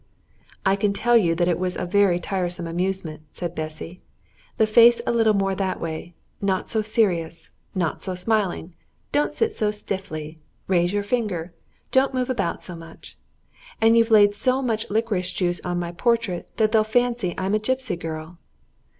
"I can tell you that it was a very tiresome amusement," said Bessy. "The face a little more that way Not so serious Not so smiling Don't sit so stiffly Raise your finger Don't move about so much. And you've laid so much licorice juice on my portrait that they'll fancy I'm a gipsy girl."